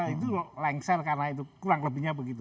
itu lengser karena itu kurang lebihnya begitu